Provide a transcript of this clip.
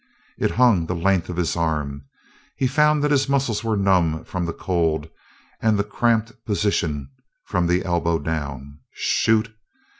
It hung the length of his arm; he found that his muscles were numb from the cold and the cramped position from the elbow down. Shoot?